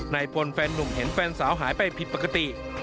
นายพลแฟนนุ่มเห็นแฟนสาวหายไปผิดปกติ